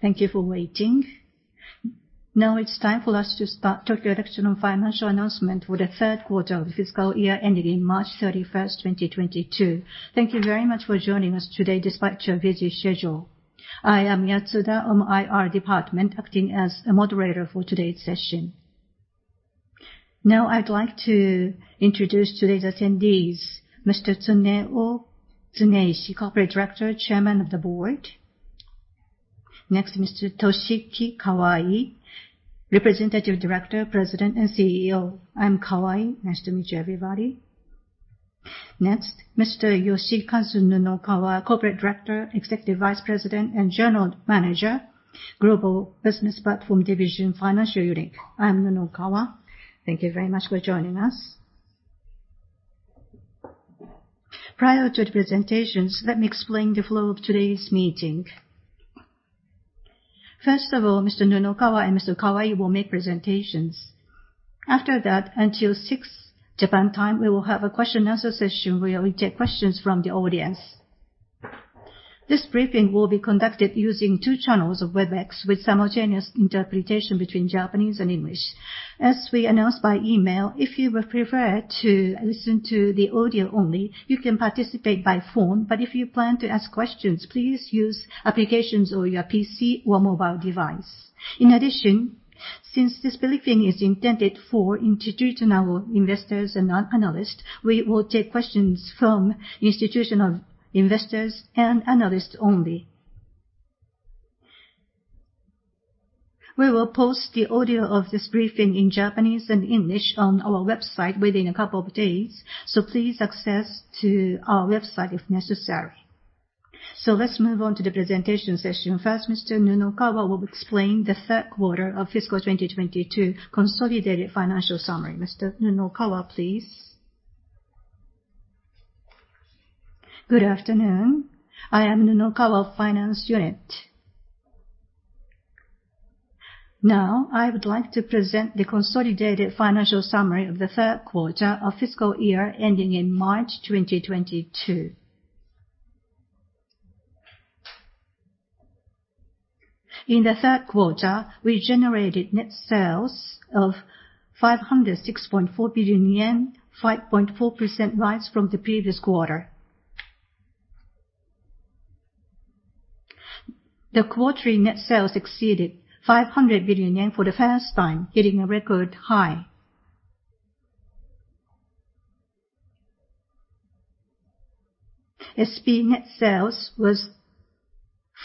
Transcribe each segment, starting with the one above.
Thank you for waiting. Now it's time for us to start Tokyo Electron financial announcement for the third quarter of the fiscal year ending March 31st, 2022. Thank you very much for joining us today despite your busy schedule. I am Yatsuda of IR department, acting as a moderator for today's session. Now I'd like to introduce today's attendees. Mr. Tsuneo Tsuneyoshi, Corporate Director, Chairman of the Board. Next, Mr. Toshiki Kawai, Representative Director, President and CEO. I'm Kawai. Nice to meet you, everybody. Next, Mr. Yoshikazu Nunokawa, Corporate Director, Executive Vice President and General Manager, Global Business Platform Division, Financial Unit. I'm Nunokawa. Thank you very much for joining us. Prior to the presentations, let me explain the flow of today's meeting. First of all, Mr. Nunokawa and Mr. Kawai will make presentations. After that, until six Japan time, we will have a question and answer session where we take questions from the audience. This briefing will be conducted using two channels of Webex with simultaneous interpretation between Japanese and English. As we announced by email, if you would prefer to listen to the audio only, you can participate by phone. But if you plan to ask questions, please use applications or your PC or mobile device. In addition, since this briefing is intended for institutional investors and analysts, we will take questions from institutional investors and analysts only. We will post the audio of this briefing in Japanese and English on our website within a couple of days, so please access our website if necessary. Let's move on to the presentation session. First, Mr. Nunokawa will explain the third quarter of fiscal 2022 consolidated financial summary. Mr. Nunokawa, please. Good afternoon. I am Nunokawa of Finance Unit. Now, I would like to present the consolidated financial summary of the third quarter of fiscal year ending in March 2022. In the third quarter, we generated net sales of 506.4 billion yen, 5.4% rise from the previous quarter. The quarterly net sales exceeded 500 billion yen for the first time, hitting a record high. SPE net sales was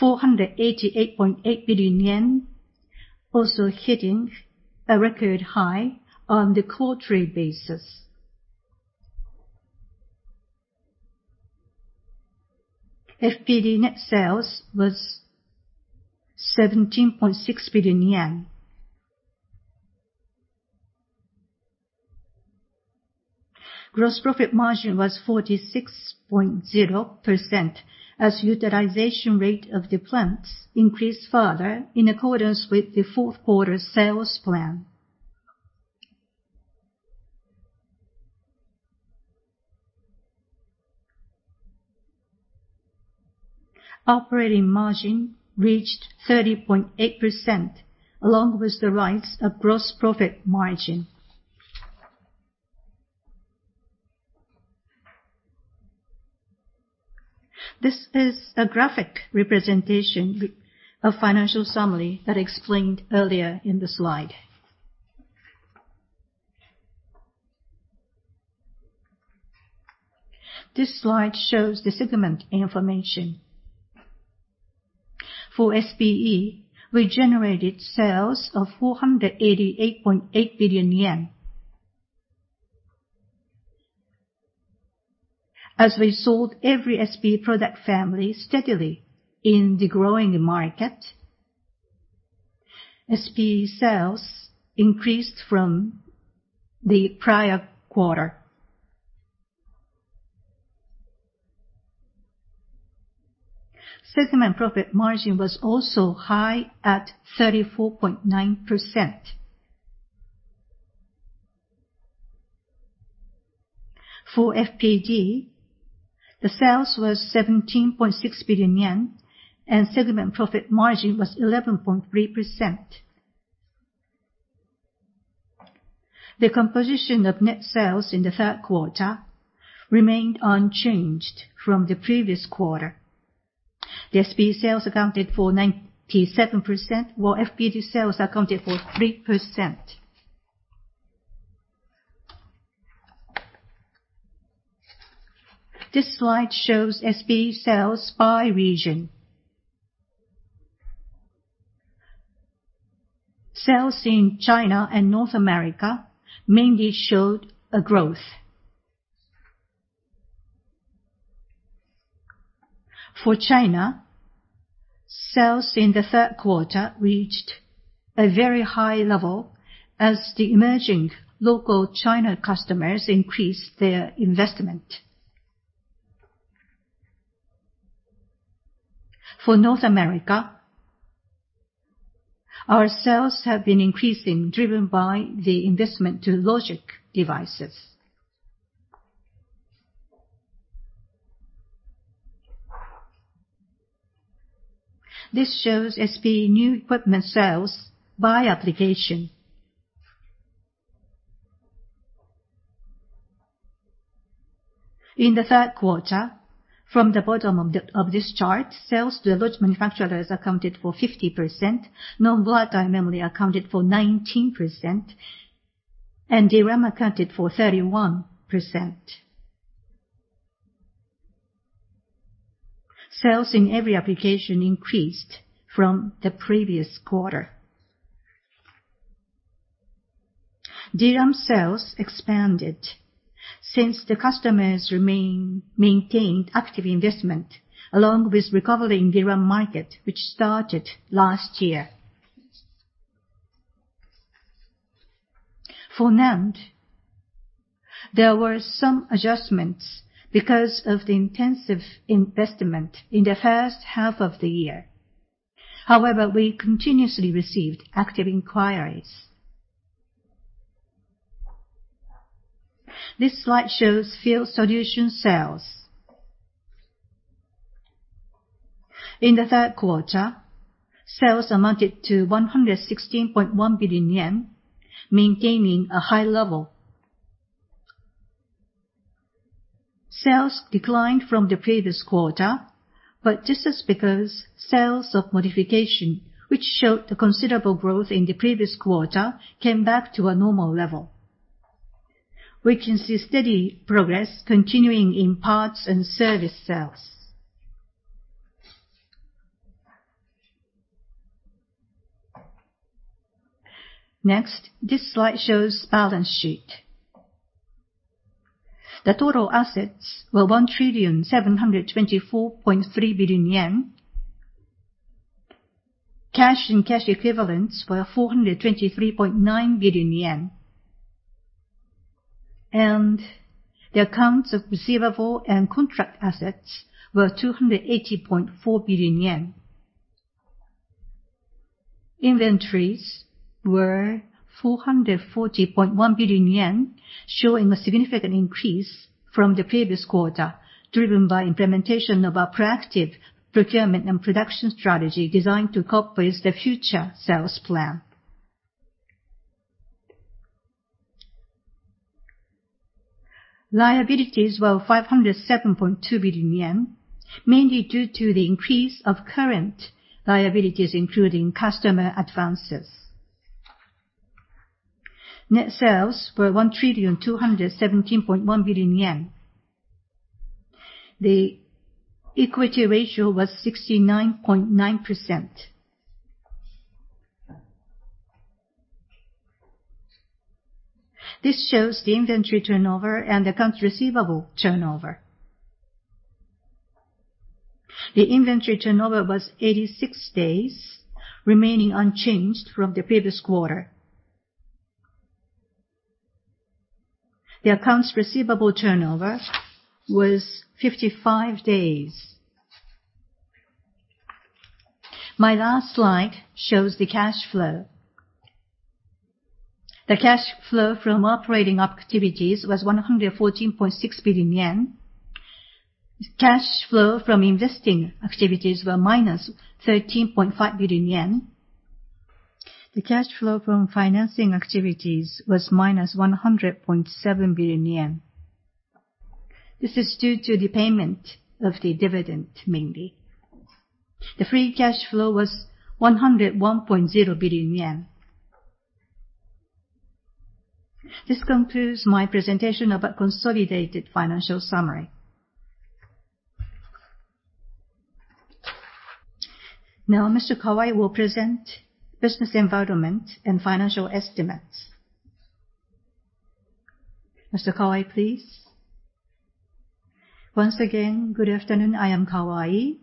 488.8 billion yen, also hitting a record high on the quarterly basis. FPD net sales was JPY 17.6 billion. Gross profit margin was 46.0% as utilization rate of the plants increased further in accordance with the fourth quarter sales plan. Operating margin reached 30.8% along with the rise of gross profit margin. This is a graphic representation of financial summary that explained earlier in the slide. This slide shows the segment information. For SPE, we generated sales of 488.8 billion yen. As we sold every SPE product family steadily in the growing market, SPE sales increased from the prior quarter. Segment profit margin was also high at 34.9%. For FPD, the sales was 17.6 billion yen and segment profit margin was 11.3%. The composition of net sales in the third quarter remained unchanged from the previous quarter. The SPE sales accounted for 97%, while FPD sales accounted for 3%. This slide shows SPE sales by region. Sales in China and North America mainly showed a growth. For China, sales in the third quarter reached a very high level as the emerging local China customers increased their investment. For North America. Our sales have been increasing, driven by the investment to logic devices. This shows SPE new equipment sales by application. In the third quarter, from the bottom of this chart, sales to logic manufacturers accounted for 50%, non-volatile memory accounted for 19%, and DRAM accounted for 31%. Sales in every application increased from the previous quarter. DRAM sales expanded since the customers maintained active investment, along with recovery in DRAM market, which started last year. For NAND, there were some adjustments because of the intensive investment in the first half of the year. However, we continuously received active inquiries. This slide shows field solution sales. In the third quarter, sales amounted to 116.1 billion yen, maintaining a high level. Sales declined from the previous quarter, but this is because sales of modification, which showed a considerable growth in the previous quarter, came back to a normal level. We can see steady progress continuing in parts and service sales. Next, this slide shows balance sheet. The total assets were 1,724.3 billion yen. Cash and cash equivalents were 423.9 billion yen. The accounts receivable and contract assets were 280.4 billion yen. Inventories were 440.1 billion yen, showing a significant increase from the previous quarter, driven by implementation of our proactive procurement and production strategy designed to cope with the future sales plan. Liabilities were 507.2 billion yen, mainly due to the increase of current liabilities, including customer advances. Net sales were 1,217.1 billion yen. The equity ratio was 69.9%. This shows the inventory turnover and accounts receivable turnover. The inventory turnover was 86 days, remaining unchanged from the previous quarter. The accounts receivable turnover was 55 days. My last slide shows the cash flow. The cash flow from operating activities was 114.6 billion yen. Cash flow from investing activities were minus 13.5 billion yen. The cash flow from financing activities was minus 100.7 billion yen. This is due to the payment of the dividend, mainly. The free cash flow was 101.0 billion yen. This concludes my presentation of our consolidated financial summary. Now, Mr. Kawai will present business environment and financial estimates. Mr. Kawai, please. Once again, good afternoon. I am Kawai.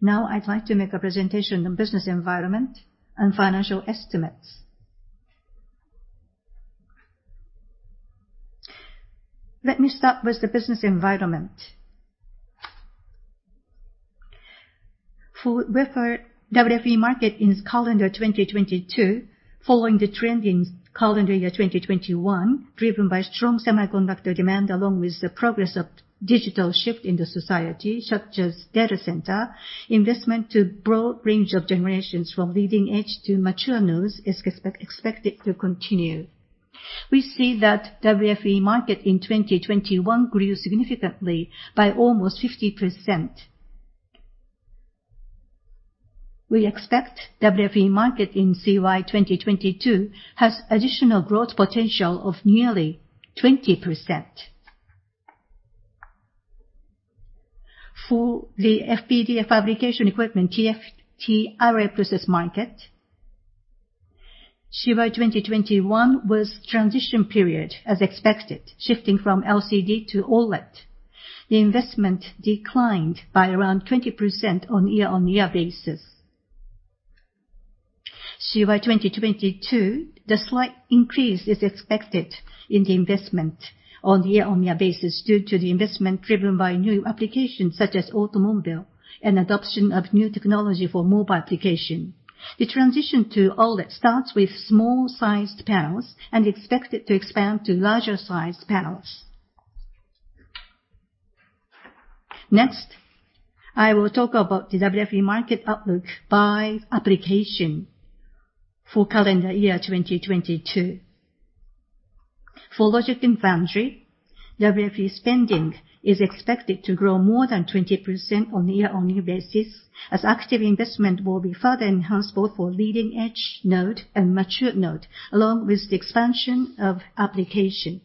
Now I'd like to make a presentation on business environment and financial estimates. Let me start with the business environment. For wafer WFE market in calendar 2022, following the trend in calendar year 2021, driven by strong semiconductor demand, along with the progress of digital shift in the society, such as data center, investment to broad range of generations from leading edge to mature nodes is expected to continue. We see that WFE market in 2021 grew significantly by almost 50%. We expect WFE market in CY 2022 has additional growth potential of nearly 20%. For the FPD fabrication equipment, TFT array process market, CY 2021 was transition period as expected, shifting from LCD to OLED. The investment declined by around 20% on a year-on-year basis. In CY 2022, the slight increase is expected in the investment on a year-on-year basis due to the investment driven by new applications such as automobile and adoption of new technology for mobile application. The transition to OLED starts with small-sized panels and is expected to expand to larger size panels. Next, I will talk about the WFE market outlook by application for calendar year 2022. For logic and foundry, WFE spending is expected to grow more than 20% on a year-on-year basis, as active investment will be further enhanced both for leading-edge node and mature node, along with the expansion of application.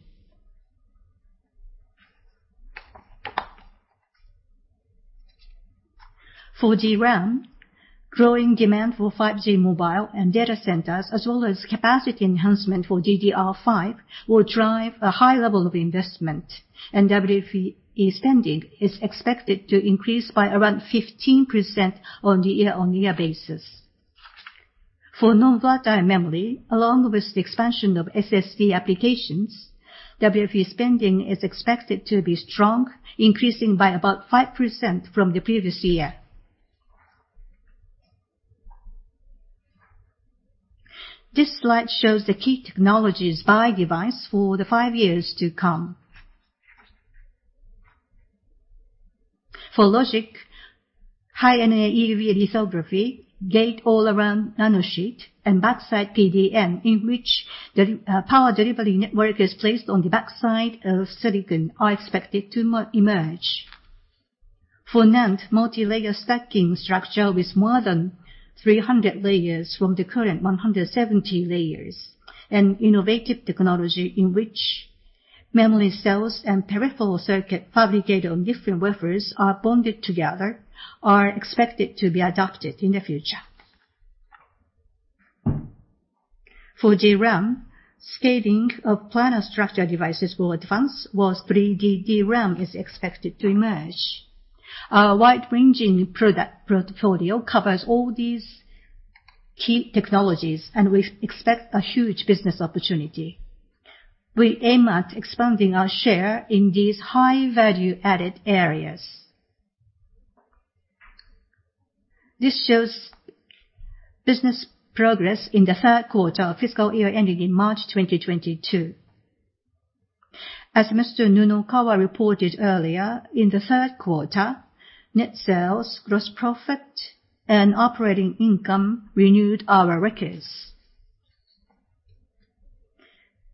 For DRAM, growing demand for 5G mobile and data centers, as well as capacity enhancement for DDR5, will drive a high level of investment, and WFE spending is expected to increase by around 15% on the year-on-year basis. For non-volatile memory, along with the expansion of SSD applications, WFE spending is expected to be strong, increasing by about 5% from the previous year. This slide shows the key technologies by device for the five years to come. For logic, High-NA EUV lithography, gate-all-around nanosheet, and backside PDN, in which the power delivery network is placed on the backside of silicon, are expected to emerge. For NAND, multilayer stacking structure with more than 300 layers from the current 170 layers, and innovative technology in which memory cells and peripheral circuit fabricated on different wafers are bonded together, are expected to be adopted in the future. For DRAM, scaling of planar structure devices will advance, while 3D DRAM is expected to emerge. Our wide-ranging portfolio covers all these key technologies, and we expect a huge business opportunity. We aim at expanding our share in these high value-added areas. This shows business progress in the third quarter of fiscal year ending in March 2022. As Mr. Nunokawa reported earlier, in the third quarter, net sales, gross profit, and operating income renewed our records.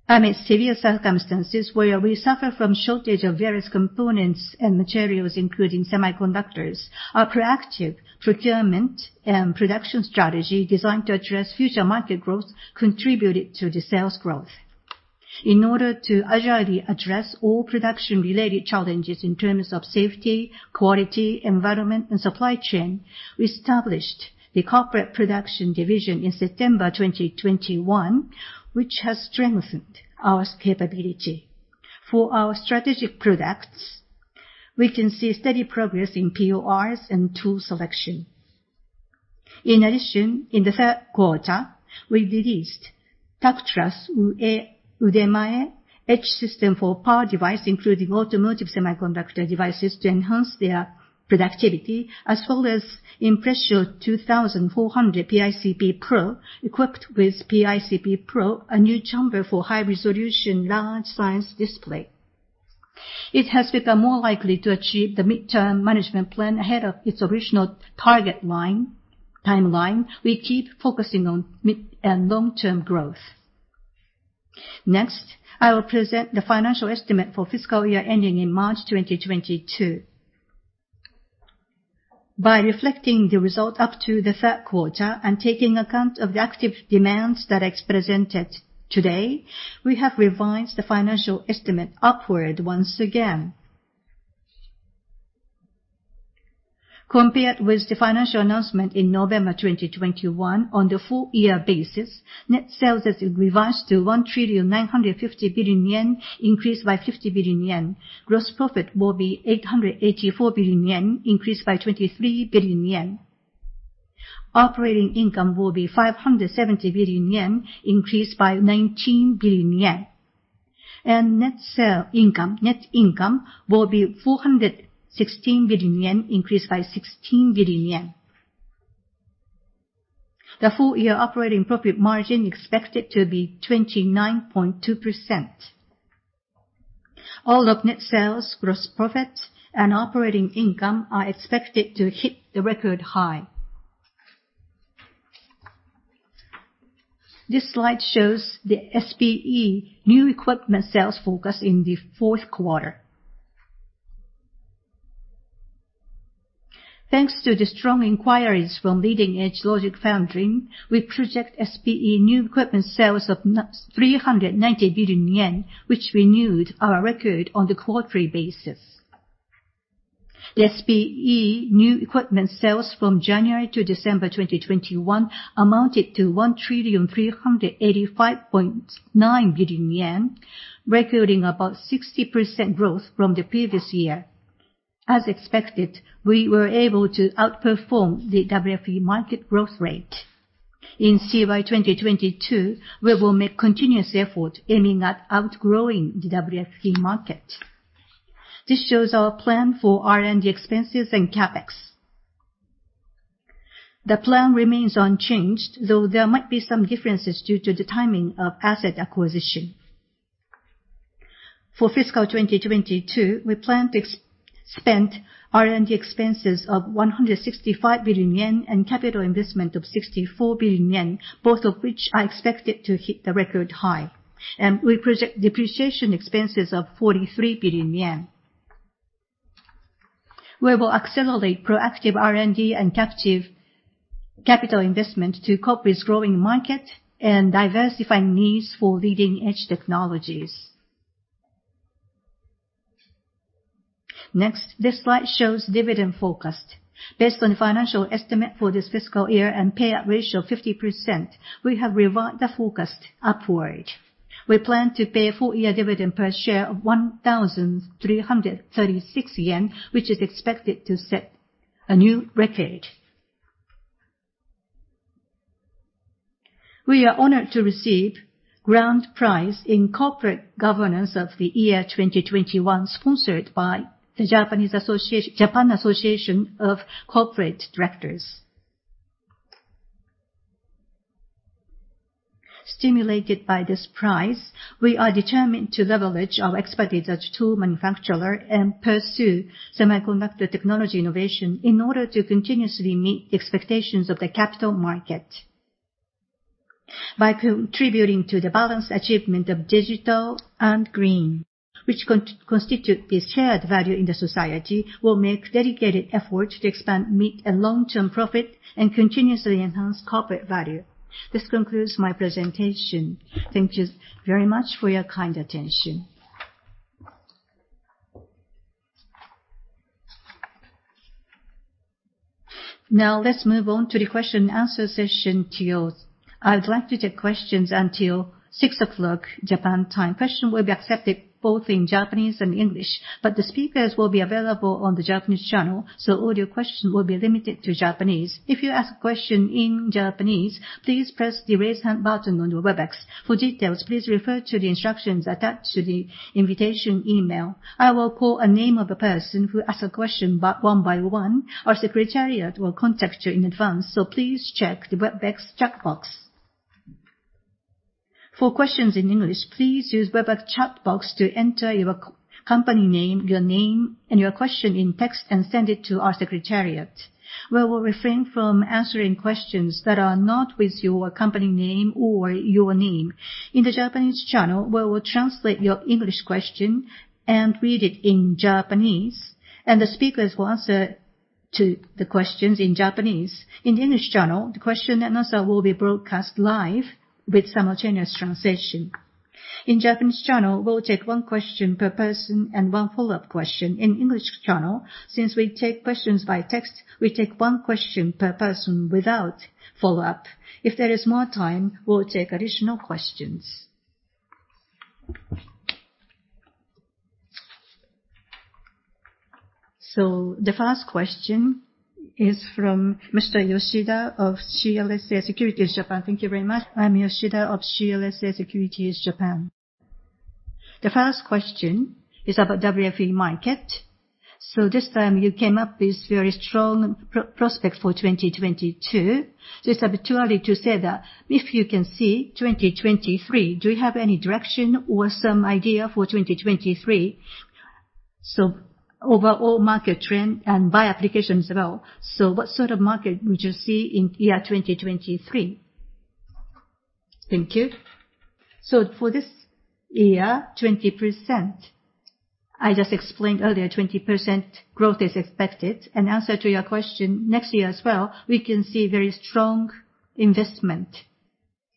Amid severe circumstances where we suffer from shortage of various components and materials, including semiconductors, our proactive procurement and production strategy designed to address future market growth contributed to the sales growth. In order to agilely address all production-related challenges in terms of safety, quality, environment, and supply chain, we established the Corporate Production Division in September 2021, which has strengthened our capability. For our strategic products, we can see steady progress in PORs and tool selection. In addition, in the third quarter, we released Tactras-UDEMAE etch system for power device, including automotive semiconductor devices, to enhance their productivity, as well as Impressio 2400 PICP Pro, equipped with PICP Pro, a new chamber for high-resolution large-size display. It has become more likely to achieve the mid-term management plan ahead of its original target timeline. We keep focusing on mid- and long-term growth. Next, I will present the financial estimate for fiscal year ending in March 2022. By reflecting the result up to the third quarter and taking account of the actual demands that I presented today, we have revised the financial estimate upward once again. Compared with the financial announcement in November 2021, on the full-year basis, net sales has revised to 1.95 trillion, increased by 50 billion yen. Gross profit will be 884 billion yen, increased by 23 billion yen. Operating income will be 570 billion yen, increased by 19 billion yen. Net income will be 416 billion yen, increased by 16 billion yen. The full-year operating profit margin is expected to be 29.2%. All of net sales, gross profits, and operating income are expected to hit the record high. This slide shows the SPE new equipment sales forecast in the fourth quarter. Thanks to the strong inquiries from leading-edge logic foundry, we project SPE new equipment sales of 390 billion yen, which renewed our record on the quarterly basis. The SPE new equipment sales from January to December 2021 amounted to 1,385.9 billion yen, recording about 60% growth from the previous year. As expected, we were able to outperform the WFE market growth rate. In CY 2022, we will make continuous effort aiming at outgrowing the WFE market. This shows our plan for R&D expenses and CapEx. The plan remains unchanged, though there might be some differences due to the timing of asset acquisition. For fiscal 2022, we plan to expend R&D expenses of 165 billion yen and capital investment of 64 billion yen, both of which are expected to hit the record high. We project depreciation expenses of 43 billion yen. We will accelerate proactive R&D and capital investment to cope with growing market and diversified needs for leading-edge technologies. Next, this slide shows dividend forecast. Based on financial estimate for this fiscal year and payout ratio of 50%, we have revised the forecast upward. We plan to pay full year dividend per share of 1,336 yen, which is expected to set a new record. We are honored to receive Grand Prize in Corporate Governance of the Year 2021 sponsored by the Japan Association of Corporate Directors. Stimulated by this prize, we are determined to leverage our expertise as tool manufacturer and pursue semiconductor technology innovation in order to continuously meet the expectations of the capital market. By contributing to the balanced achievement of digital and green, which constitute the shared value in the society, we'll make dedicated effort to expand mid- and long-term profit and continuously enhance corporate value. This concludes my presentation. Thank you very much for your kind attention. Now, let's move on to the question and answer session. I'd like to take questions until 6:00 P.M. Japan time. Questions will be accepted both in Japanese and English, but the speakers will be available on the Japanese channel, so all your questions will be limited to Japanese. If you ask questions in Japanese, please press the Raise Hand button on your Webex. For details, please refer to the instructions attached to the invitation email. I will call the name of a person who asks a question one by one. Our secretariat will contact you in advance, so please check the Webex chat box. For questions in English, please use the Webex chat box to enter your company name, your name, and your question in text and send it to our secretariat. We will refrain from answering questions that are not with your company name or your name. In the Japanese channel, we will translate your English question and read it in Japanese, and the speakers will answer to the questions in Japanese. In the English channel, the question and answer will be broadcast live with simultaneous translation. In Japanese channel, we'll take one question per person and one follow-up question. In English channel, since we take questions by text, we take one question per person without follow-up. If there is more time, we'll take additional questions. The first question is from Mr. Yoshida of CLSA Securities Japan. Thank you very much. I'm Yoshida of CLSA Securities Japan. The first question is about WFE market. This time you came up with very strong prospects for 2022. It is habitual to say that if you can see 2023, do you have any direction or some idea for 2023?Overall market trend and by applications as well. What sort of market would you see in year 2023? Thank you. For this year, 20%. I just explained earlier, 20% growth is expected. In answer to your question, next year as well, we can see very strong investment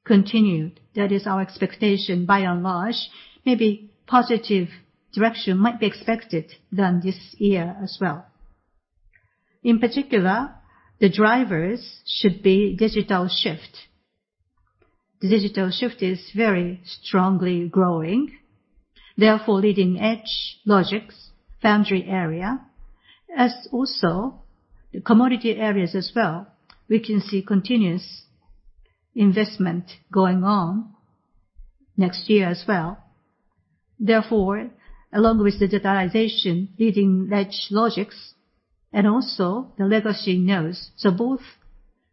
continued. That is our expectation by and large. Maybe positive direction might be expected than this year as well. In particular, the drivers should be digital shift. The digital shift is very strongly growing, therefore leading-edge logics, foundry area, as also the commodity areas as well. We can see continuous investment going on next year as well. Therefore, along with the digitalization, leading-edge logics, and also the legacy nodes. Both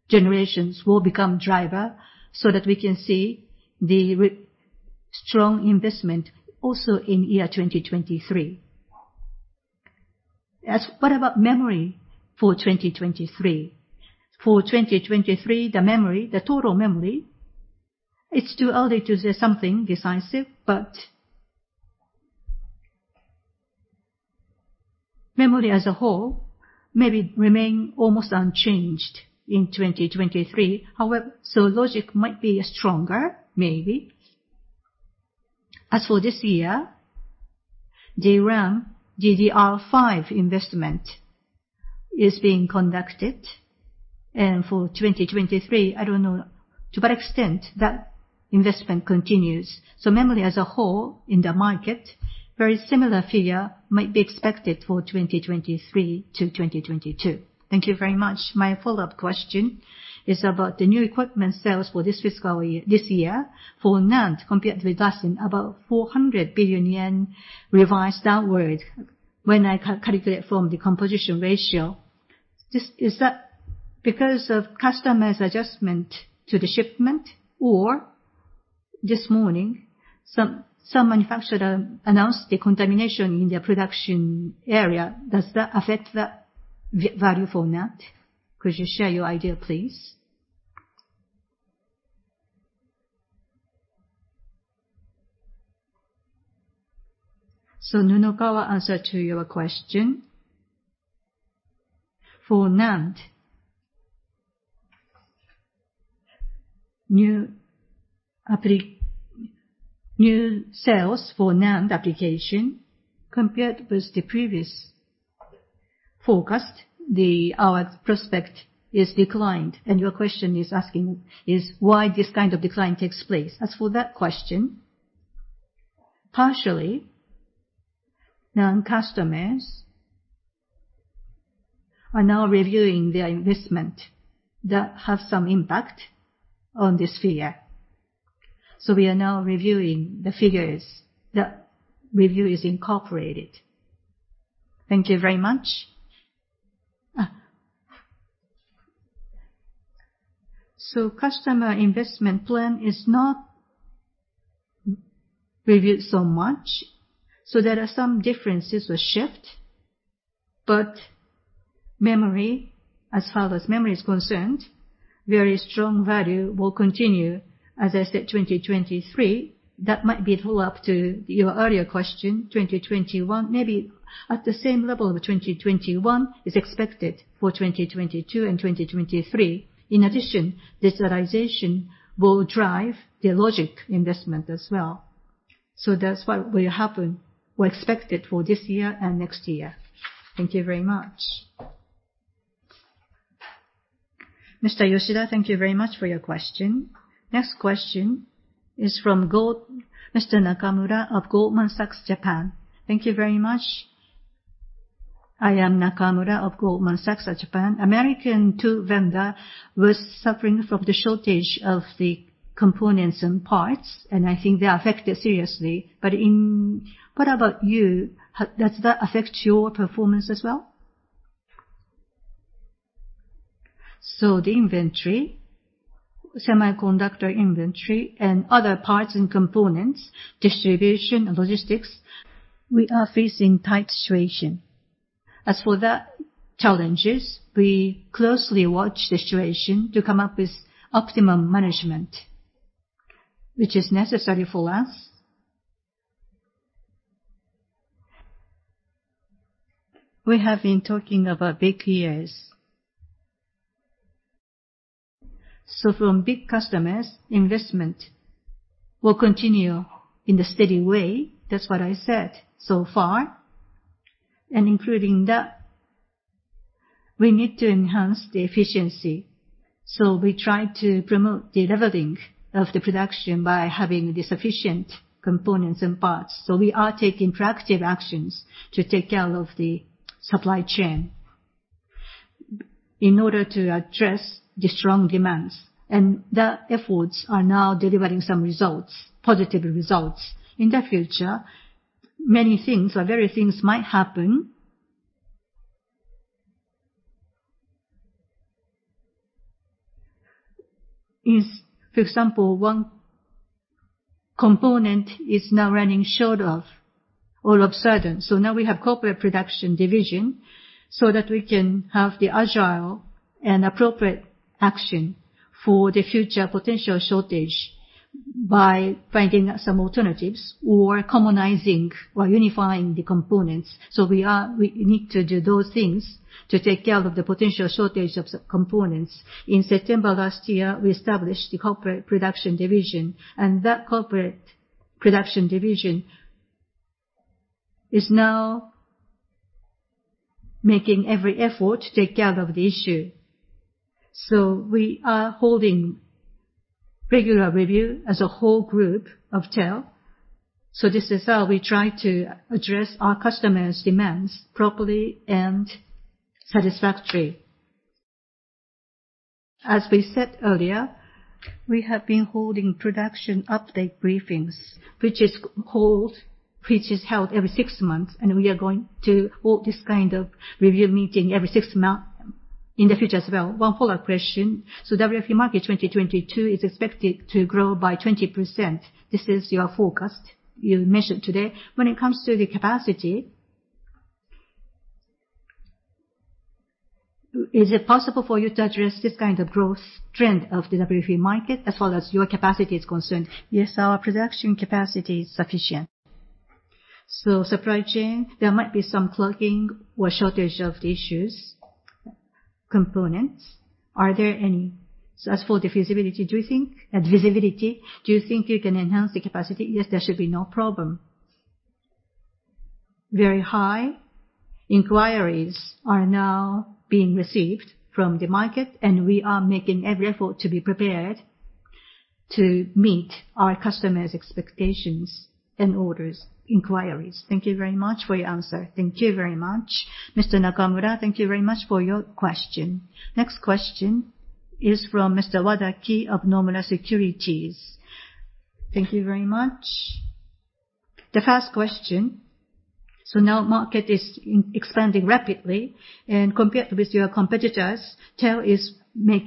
generations will become driver so that we can see the strong investment also in year 2023. What about memory for 2023? For 2023, the memory, the total memory, it's too early to say something decisive, but memory as a whole may remain almost unchanged in 2023. However, logic might be stronger, maybe. As for this year, DRAM, DDR5 investment is being conducted. For 2023, I don't know to what extent that investment continues. Memory as a whole in the market, very similar figure might be expected for 2023 to 2022. Thank you very much. My follow-up question is about the new equipment sales for this year. For NAND compared with last year, about 400 billion yen revised downward when I calculate from the composition ratio. Is that just because of customers' adjustment to the shipment? Or this morning, some manufacturer announced the contamination in their production area. Does that affect the value for NAND? Could you share your idea, please? Nunokawa answer to your question. For NAND, new sales for NAND application compared with the previous forecast, our prospect is declined. Your question is asking why this kind of decline takes place. As for that question, partially, NAND customers are now reviewing their investment. That has some impact on this figure. We are now reviewing the figures. The review is incorporated. Thank you very much. Customer investment plan is not reviewed so much, so there are some differences or shift. Memory, as far as memory is concerned, very strong value will continue. As I said, 2023, that might be follow-up to your earlier question, 2021, maybe at the same level of 2021 is expected for 2022 and 2023. In addition, digitalization will drive the logic investment as well. That's what will happen or expected for this year and next year. Thank you very much. Mr. Yoshida, thank you very much for your question. Next question is from Mr. Nakamura of Goldman Sachs Japan. Thank you very much. I am Nakamura of Goldman Sachs Japan. American tool vendor was suffering from the shortage of the components and parts, and I think they are affected seriously. But what about you? Does that affect your performance as well? The inventory, semiconductor inventory, and other parts and components, distribution and logistics, we are facing tight situation. As for the challenges, we closely watch the situation to come up with optimum management, which is necessary for us. We have been talking about big years. From big customers, investment will continue in a steady way. That's what I said so far. Including that, we need to enhance the efficiency. We try to promote the leveling of the production by having the sufficient components and parts. We are taking proactive actions to take care of the supply chain in order to address the strong demands. The efforts are now delivering some results, positive results. In the future, many things or various things might happen. For example, one component is now running short of all of a sudden. Now we have Corporate Production Division so that we can have the agile and appropriate action for the future potential shortage by finding some alternatives or commonizing or unifying the components. We need to do those things to take care of the potential shortage of components. In September last year, we established the Corporate Production Division, and that Corporate Production Division is now making every effort to take care of the issue. We are holding regular review as a whole group of TEL. This is how we try to address our customers' demands properly and satisfactory. As we said earlier, we have been holding production update briefings, which is held every six months, and we are going to hold this kind of review meeting every six months in the future as well. One follow-up question. The WFE market 2022 is expected to grow by 20%. This is your forecast you mentioned today. When it comes to the capacity, is it possible for you to address this kind of growth trend of the WFE market as well as your capacity is concerned? Yes, our production capacity is sufficient. Supply chain, there might be some clogging or shortage of the issues. Components, are there any? As for the feasibility, visibility, do you think you can enhance the capacity? Yes, there should be no problem. Very high inquiries are now being received from the market, and we are making every effort to be prepared to meet our customers' expectations and orders inquiries. Thank you very much for your answer. Thank you very much. Mr. Nakamura, thank you very much for your question. Next question is from Mr. Wadaki of Nomura Securities. Thank you very much. The first question, now market is expanding rapidly, and compared with your competitors, TEL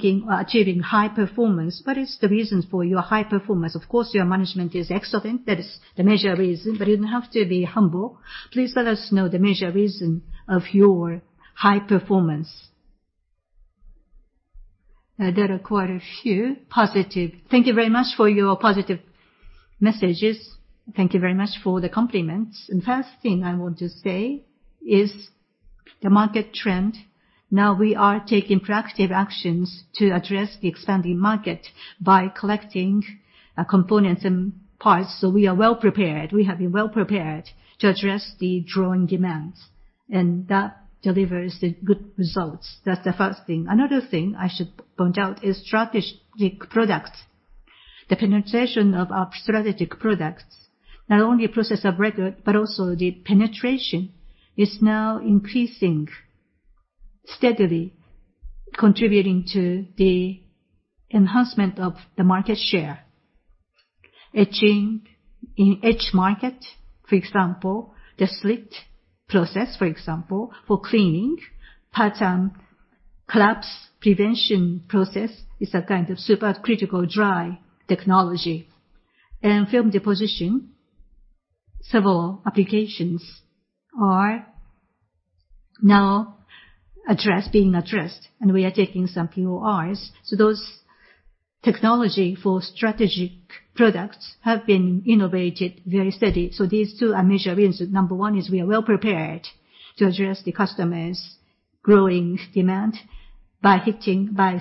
is achieving high performance. What is the reasons for your high performance? Of course, your management is excellent, that is the major reason, but you don't have to be humble. Please let us know the major reason for your high performance? There are quite a few positive messages. Thank you very much for your positive messages. Thank you very much for the compliments. The first thing I want to say is the market trend. We are taking proactive actions to address the expanding market by collecting components and parts, so we are well-prepared. We have been well-prepared to address the growing demands, and that delivers the good results. That's the first thing. Another thing I should point out is strategic products. The penetration of our strategic products, not only process of record, but also the penetration is now increasing steadily, contributing to the enhancement of the market share. Etching in the etch market, for example, the slit process, for example, for cleaning, pattern collapse prevention process is a kind of supercritical drying technology. Film deposition, several applications are now being addressed, and we are taking some PORs. Those technology for strategic products have been innovated very steady. These two are major wins. Number one is we are well-prepared to address the customers' growing demand by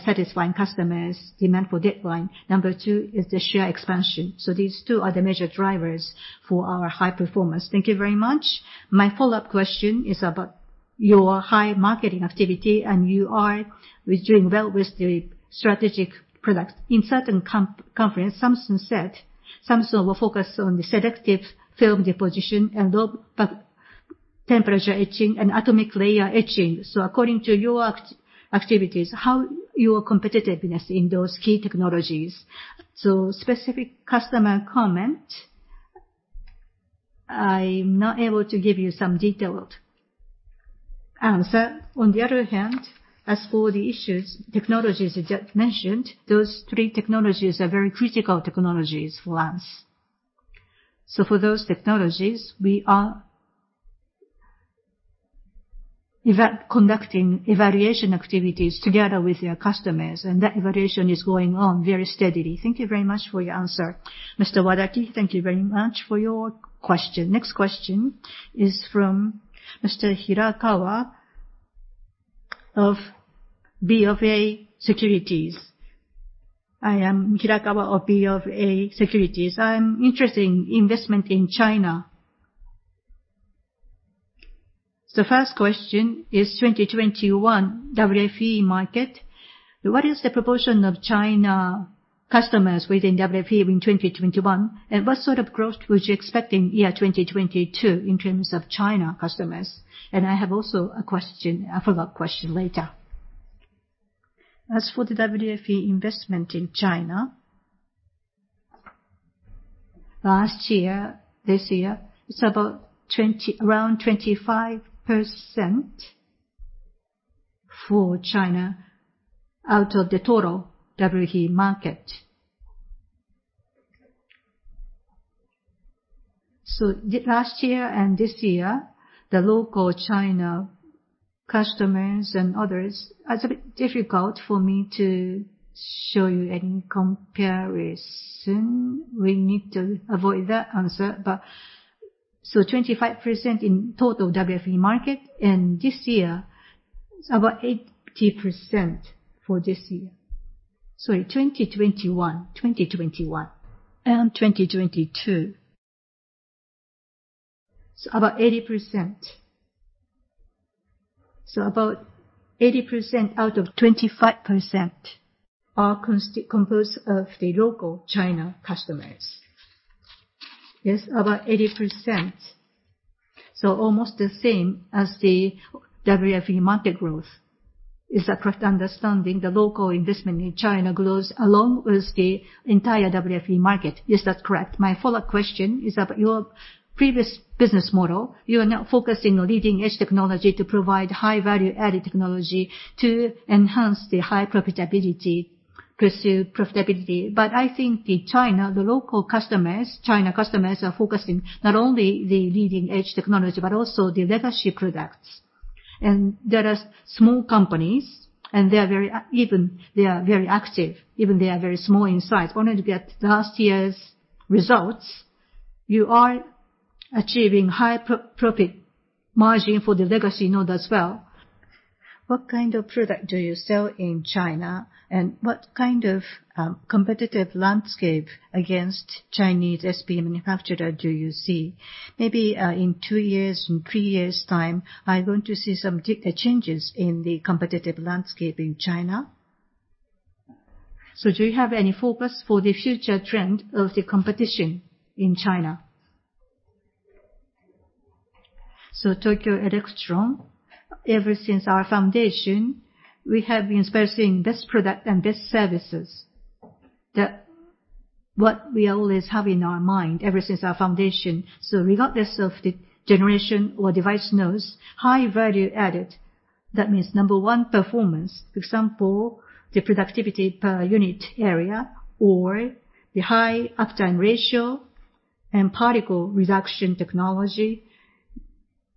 satisfying customers' demand for deadline. Number two is the share expansion. These two are the major drivers for our high performance. Thank you very much. My follow-up question is about your high-margin activity, and you are doing well with the strategic products. In certain conference, Samsung said Samsung will focus on the selective film deposition and low temperature etching and atomic layer etching. According to your activities, how is your competitiveness in those key technologies? Specific customer comment, I'm not able to give you some detailed answer. On the other hand, as for the issues, technologies you just mentioned, those three technologies are very critical technologies for us. So for those technologies, we are conducting evaluation activities together with our customers, and that evaluation is going on very steadily. Thank you very much for your answer. Mr. Wadaki, thank you very much for your question. Next question is from Mr. Hirakawa of BofA Securities. I am Hirakawa of BofA Securities. I'm interested in investment in China. So first question is 2021 WFE market. What is the proportion of China customers within WFE in 2021, and what sort of growth would you expect in year 2022 in terms of China customers? And I have also a question, a follow-up question later. As for the WFE investment in China, last year, this year, it's about around 25% for China out of the total WFE market. The last year and this year, the local China customers and others, it's a bit difficult for me to show you any comparison. We need to avoid that answer. 25% in total WFE market, and this year it's about 80% for this year. Sorry, 2021. 2021 and 2022. It's about 80%. About 80% out of 25% are composed of the local China customers. Yes, about 80%. Almost the same as the WFE market growth. Is that correct understanding, the local investment in China grows along with the entire WFE market? Yes, that's correct. My follow-up question is about your previous business model. You are now focusing on leading-edge technology to provide high value-added technology to enhance the high profitability, pursue profitability. I think the Chinese local customers, China customers, are focusing not only on the leading-edge technology, but also the legacy products. There are small companies, and they are very active, even they are very small in size. According to last year's results, you are achieving high profit margin for the legacy node as well. What kind of product do you sell in China? And what kind of competitive landscape against Chinese SPE manufacturer do you see? Maybe in two years, in three years' time, are going to see some changes in the competitive landscape in China. Do you have any focus for the future trend of the competition in China? Tokyo Electron, ever since our foundation, we have been specializing best product and best services. That's what we always have in our mind ever since our foundation. Regardless of the generation or device nodes, high value added, that means number one performance. For example, the productivity per unit area, or the high uptime ratio, and particle reduction technology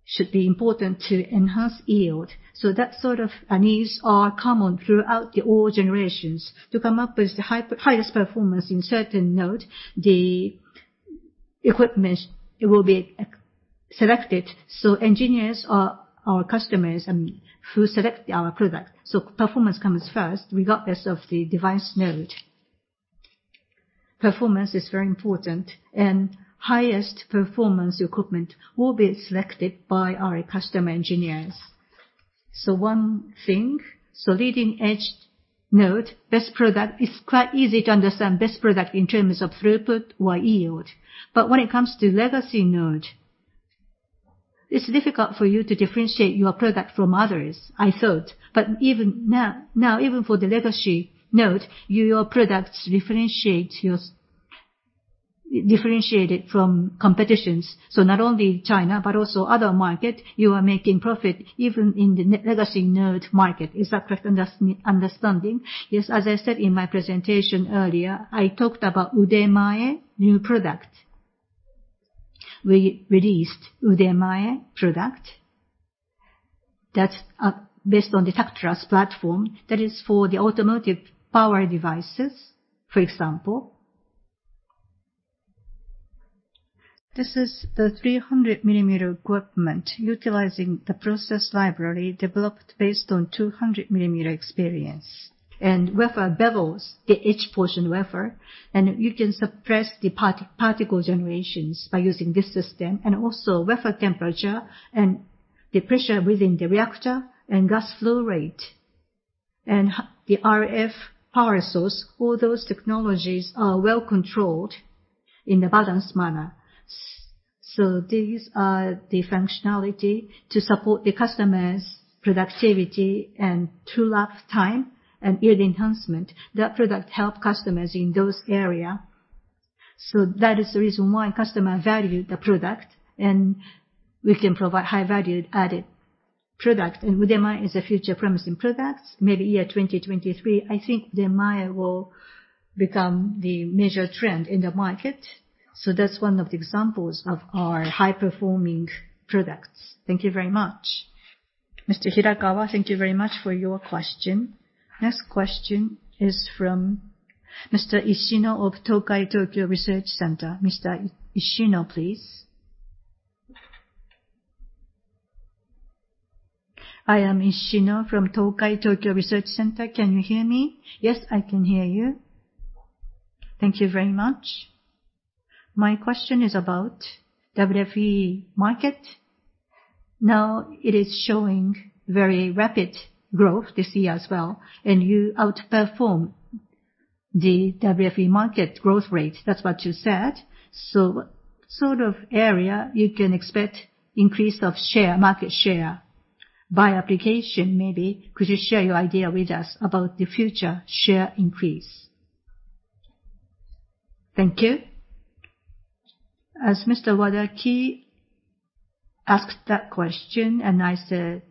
should be important to enhance yield. That sort of needs are common throughout all generations. To come up with the highest performance in certain node, the equipment, it will be selected, so engineers or our customers and who select our product. Performance comes first, regardless of the device node. Performance is very important, and highest performance equipment will be selected by our customer engineers. One thing, leading-edge node, best product, it's quite easy to understand best product in terms of throughput or yield. But when it comes to legacy node, it's difficult for you to differentiate your product from others, I thought. Even now, even for the legacy node, your products differentiate it from competition. Not only China, but also other market, you are making profit even in the legacy node market. Is that correct understanding? Yes, as I said in my presentation earlier, I talked about UDEMAE new product. We released UDEMAE product that's based on the Tactras platform that is for the automotive power devices, for example. This is the 300 mm equipment utilizing the process library developed based on 200 mm experience. Wafer bevels the edge portion wafer, and you can suppress the particle generations by using this system. Wafer temperature and the pressure within the reactor and gas flow rate and the RF power source, all those technologies are well-controlled in a balanced manner. These are the functionality to support the customer's productivity and tool uptime and yield enhancement. That product help customers in those area. That is the reason why customer value the product, and we can provide high-value added product. UDEMAE is a future promising product. Maybe year 2023, I think the UDEMAE will become the major trend in the market. That's one of the examples of our high-performing products. Thank you very much. Mr. Hirakawa, thank you very much for your question. Next question is from Mr. Ishino of Tokai Tokyo Intelligence Laboratory. Mr. Ishino, please. I am Ishino from Tokai Tokyo Intelligence Laboratory. Can you hear me? Yes, I can hear you. Thank you very much. My question is about WFE market. Now it is showing very rapid growth this year as well, and you outperform the WFE market growth rate. That's what you said. What sort of area you can expect increase of share, market share? By application, maybe could you share your idea with us about the future share increase? Thank you. As Mr. Wadaki asked that question, and I said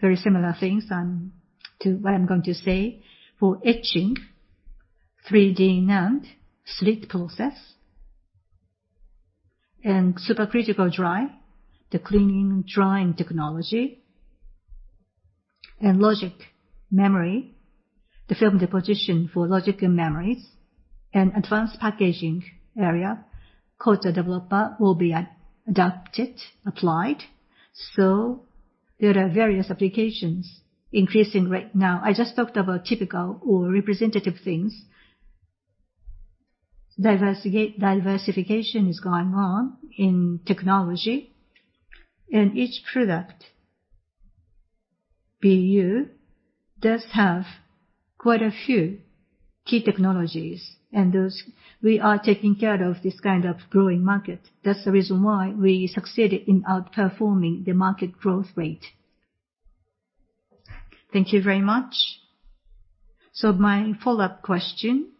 very similar things, to what I'm going to say. For etching, 3D NAND, slit process, and supercritical drying, the cleaning and drying technology, and logic memory, the film deposition for logic and memories, and advanced packaging area, coater/developer will be adopted, applied. There are various applications increasing right now. I just talked about typical or representative things. Diversification is going on in technology. Each product BU does have quite a few key technologies, and those we are taking care of this kind of growing market. That's the reason why we succeeded in outperforming the market growth rate. Thank you very much. My follow-up question.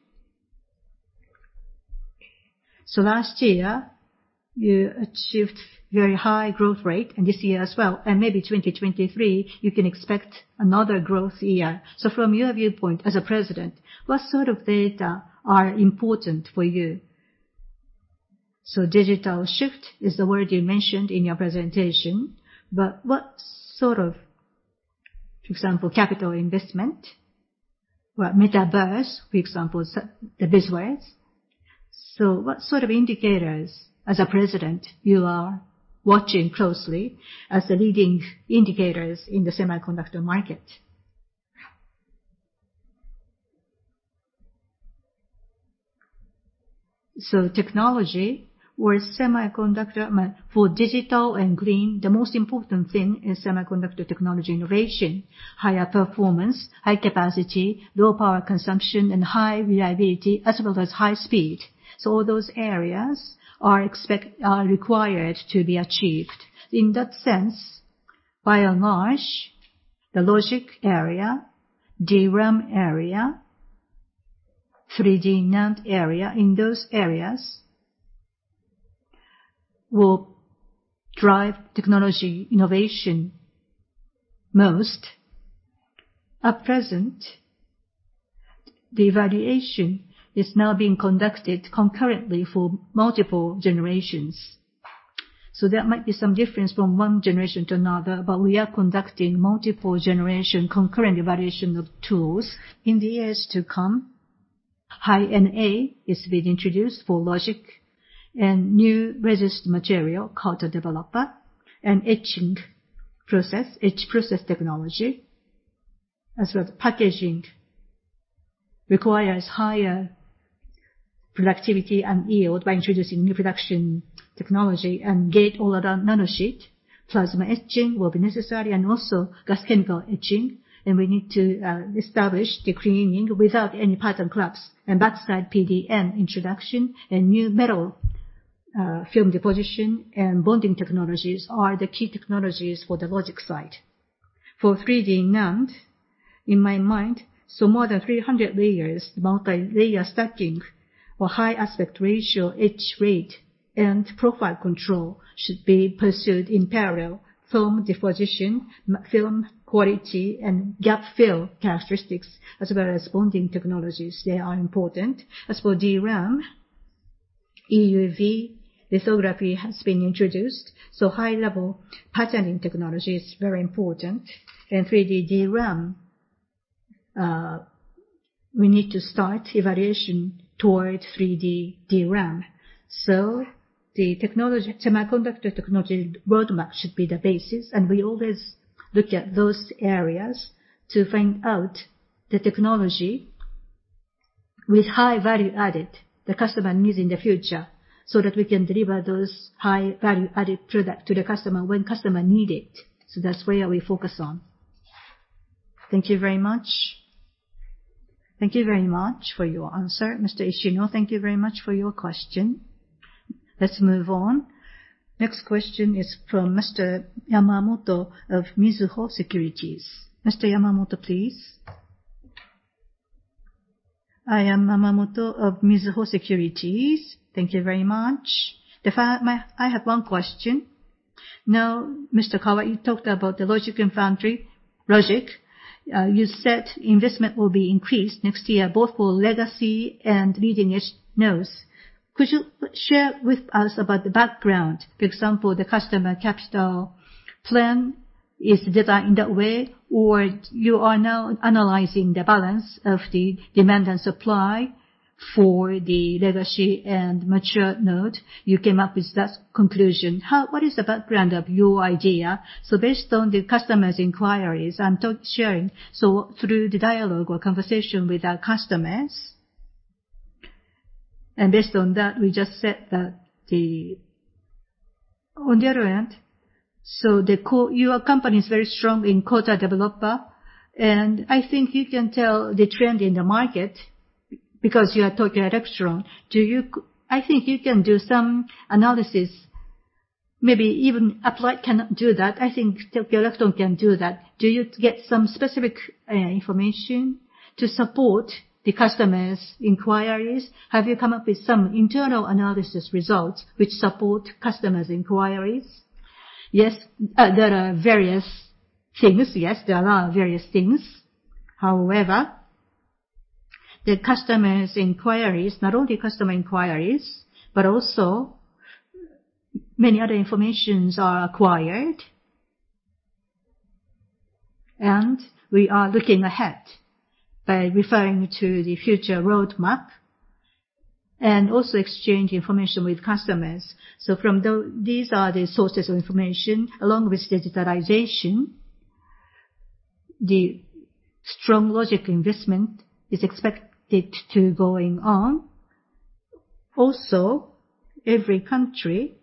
Last year, you achieved very high growth rate, and this year as well, and maybe 2023, you can expect another growth year. From your viewpoint as a president, what sort of data are important for you? Digital shift is the word you mentioned in your presentation, but what sort of. For example, capital investment, what metaverse, for example, the buzzwords. What sort of indicators, as a president, you are watching closely as the leading indicators in the semiconductor market? Technology or semiconductor for digital and green, the most important thing is semiconductor technology innovation, higher performance, high capacity, low power consumption, and high reliability, as well as high speed. Those areas are required to be achieved. In that sense, by and large, the logic area, DRAM area, 3D NAND area, in those areas will drive technology innovation most. At present, the evaluation is now being conducted concurrently for multiple generations. There might be some difference from one generation to another, but we are conducting multiple generation concurrent evaluation of tools. In the years to come, High-NA is being introduced for logic and new resist material, coater/developer, and etching process, etch process technology, as well as packaging requires higher productivity and yield by introducing new production technology and gate-all-around nanosheet. Plasma etching will be necessary and also gas chemical etching, and we need to establish the cleaning without any pattern collapse. Backside PDN introduction and new metal film deposition and bonding technologies are the key technologies for the logic side. For 3D NAND, in my mind, more than 300 layers, multilayer stacking or high aspect ratio etch rate and profile control should be pursued in parallel. Film deposition, film quality, and gap fill characteristics, as well as bonding technologies, they are important. As for DRAM, EUV lithography has been introduced, so high-level patterning technology is very important. In 3D DRAM, we need to start evaluation towards 3D DRAM. The semiconductor technology roadmap should be the basis, and we always look at those areas to find out the technology with high value added the customer needs in the future, so that we can deliver those high value-added product to the customer when customer need it. That's where we focus on. Thank you very much. Thank you very much for your answer. Mr. Ishino, thank you very much for your question. Let's move on. Next question is from Mr. Yamamoto of Mizuho Securities. Mr. Yamamoto, please. I am Yamamoto of Mizuho Securities. Thank you very much. I have one question. Now, Mr. Kawai, you talked about the logic and foundry. Logic, you said investment will be increased next year, both for legacy and leading-edge nodes. Could you share with us about the background? For example, the customer capital plan is designed that way, or you are now analyzing the balance of the demand and supply for the legacy and mature node. You came up with that conclusion. What is the background of your idea? Based on the customers' inquiries, I'm sharing. Through the dialogue or conversation with our customers, and based on that, we just set the... On the other hand, your company is very strong in coater/developer, and I think you can tell the trend in the market because you are Tokyo Electron. I think you can do some analysis, maybe even Applied cannot do that. I think Tokyo Electron can do that. Do you get some specific information to support the customers' inquiries? Have you come up with some internal analysis results which support customers' inquiries? Yes, there are various things. However, the customers' inquiries, not only customer inquiries, but also many other information are acquired. We are looking ahead by referring to the future roadmap and also exchange information with customers. These are the sources of information, along with digitalization, the strong logic investment is expected to going on. Every country,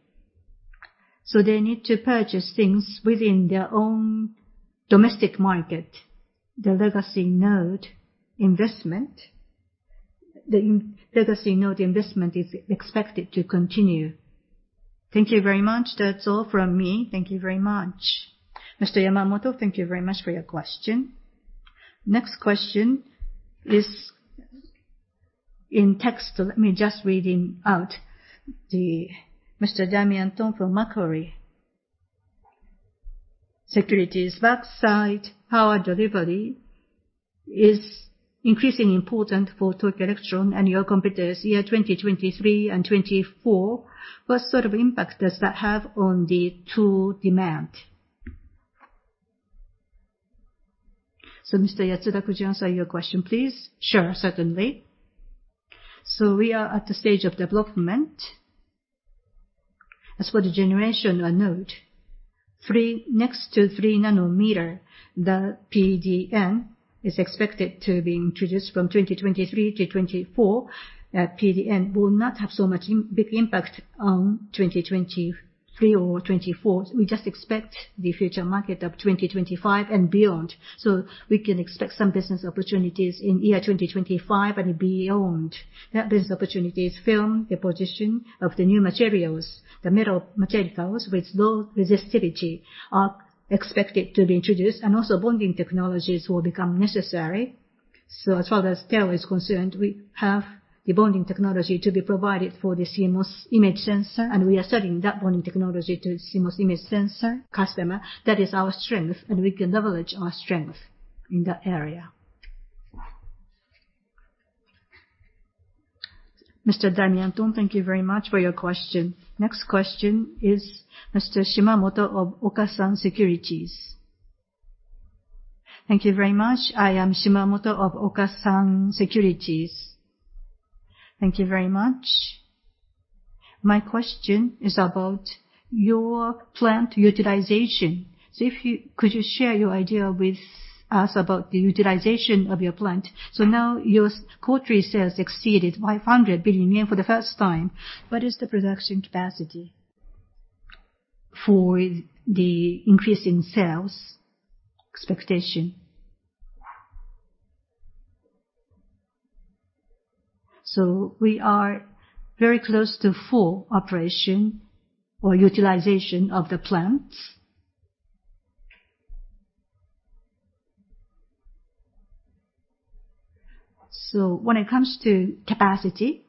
so they need to purchase things within their own domestic market. The legacy node investment is expected to continue. Thank you very much. That's all from me. Thank you very much. Mr. Yamamoto, thank you very much for your question. Next question is in text. Let me just read out. Mr. Damian Thong from Macquarie Securities. Backside power delivery is increasingly important for Tokyo Electron and your competitors in 2023 and 2024. What sort of impact does that have on the tool demand? Mr. Yatsuda, could you answer that question, please? Sure, certainly. We are at the stage of development. As for the generation or node, 3 nm, next to 3 nm, the PDN is expected to be introduced from 2023 to 2024. That PDN will not have so much big impact on 2023 or 2024. We just expect the future market of 2025 and beyond. We can expect some business opportunities in year 2025 and beyond. That business opportunity is film deposition of the new materials. The metal materials with low resistivity are expected to be introduced, and also bonding technologies will become necessary. As far as TEL is concerned, we have the bonding technology to be provided for the CMOS image sensor, and we are selling that bonding technology to CMOS image sensor customer. That is our strength, and we can leverage our strength in that area. Mr. Damian Thong, thank you very much for your question. Next question is Mr. Shimamoto of Okasan Securities. Thank you very much. I am Shimamoto of Okasan Securities. Thank you very much. My question is about your plant utilization. If you. Could you share your idea with us about the utilization of your plant? Now your quarterly sales exceeded 500 billion yen for the first time. What is the production capacity for the increase in sales expectation? We are very close to full operation or utilization of the plants. When it comes to capacity,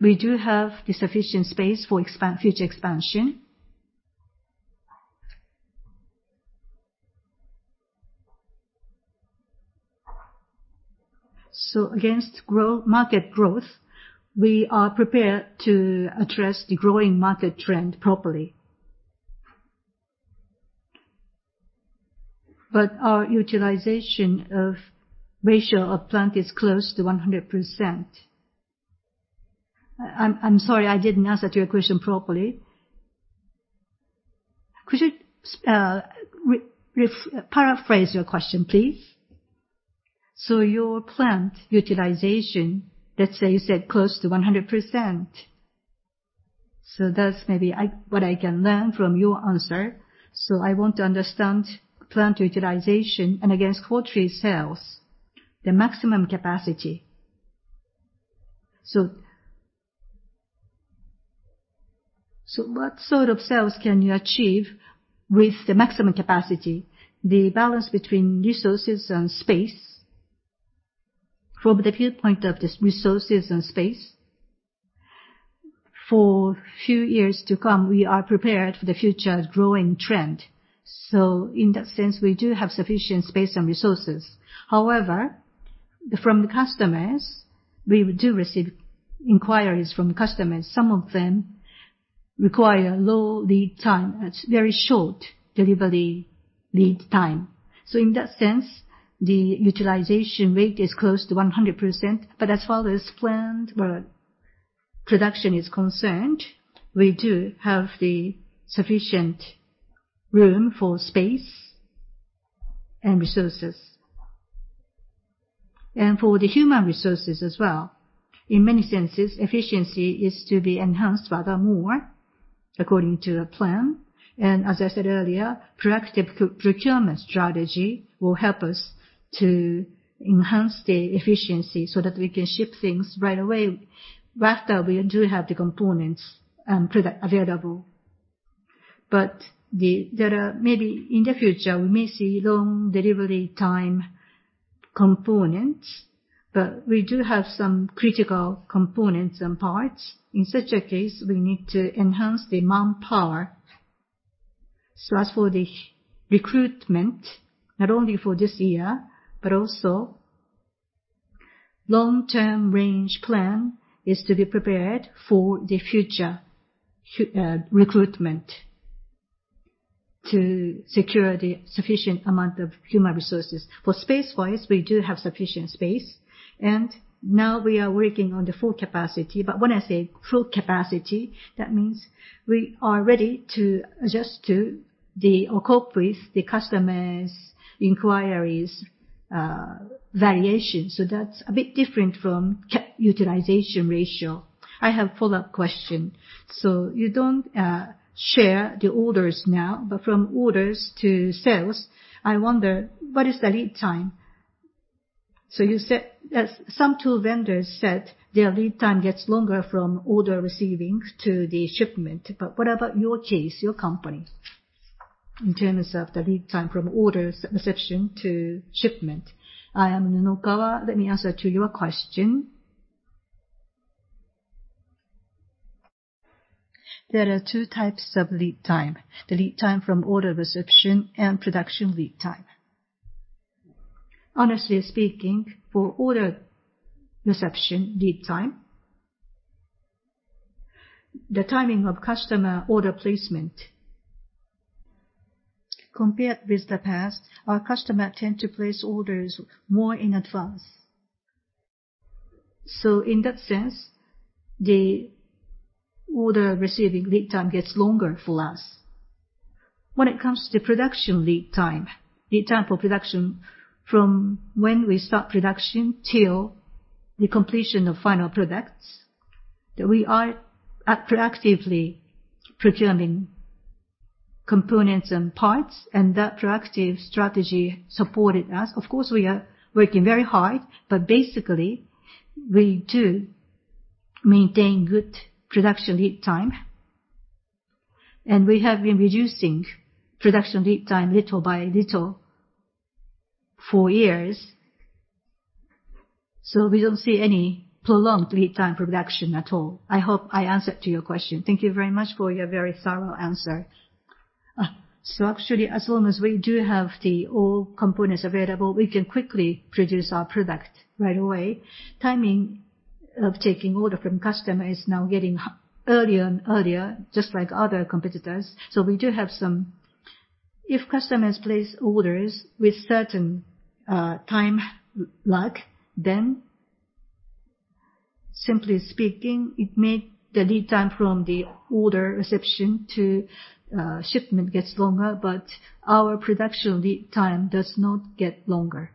we do have the sufficient space for future expansion. Against market growth, we are prepared to address the growing market trend properly. But our plant utilization ratio is close to 100%. I'm sorry, I didn't answer your question properly. Could you rephrase your question, please? Your plant utilization, let's say you said close to 100%. That's maybe what I can learn from your answer. I want to understand plant utilization and against quarterly sales, the maximum capacity. What sort of sales can you achieve with the maximum capacity? The balance between resources and space. From the viewpoint of the resources and space, for a few years to come, we are prepared for the future growing trend. In that sense, we do have sufficient space and resources. However, from the customers, we do receive inquiries from customers. Some of them require low lead time. It's very short delivery lead time. In that sense, the utilization rate is close to 100%. But as far as plant production is concerned, we do have sufficient room for space and resources. For the human resources as well, in many senses, efficiency is to be enhanced furthermore according to a plan. As I said earlier, proactive co-procurement strategy will help us to enhance the efficiency so that we can ship things right away after we do have the components production available. There are maybe in the future, we may see long delivery time components, but we do have some critical components and parts. In such a case, we need to enhance the manpower. As for the recruitment, not only for this year, but also long-term range plan is to be prepared for the future recruitment to secure the sufficient amount of human resources. For space wise, we do have sufficient space, and now we are working on the full capacity. When I say full capacity, that means we are ready to adjust to the, or cope with the customers' inquiries variation. That's a bit different from capacity utilization ratio. I have follow-up question. You don't share the orders now, but from orders to sales, I wonder what is the lead time? You said some tool vendors said their lead time gets longer from order receiving to the shipment, but what about your case, your company, in terms of the lead time from orders reception to shipment? I am Nunokawa. Let me answer to your question. There are two types of lead time, the lead time from order reception and production lead time. Honestly speaking, for order reception lead time. The timing of customer order placement. Compared with the past, our customer tend to place orders more in advance. In that sense, the order receiving lead time gets longer for us. When it comes to production lead time, lead time for production from when we start production till the completion of final products, that we are proactively procuring components and parts, and that proactive strategy supported us. Of course, we are working very hard, but basically, we do maintain good production lead time. We have been reducing production lead time little by little for years. We don't see any prolonged lead time production at all. I hope I answered your question. Thank you very much for your very thorough answer. Actually, as long as we do have all the components available, we can quickly produce our product right away. Timing of taking order from customer is now getting earlier and earlier, just like other competitors. We do have some If customers place orders with certain time lag, then simply speaking, it make the lead time from the order reception to shipment gets longer, but our production lead time does not get longer.